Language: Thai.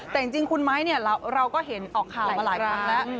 แต่จริงคุณไม้เนี่ยเราก็เห็นออกข่าวมาหลายครั้งแล้ว